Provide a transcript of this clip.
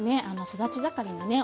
育ち盛りのね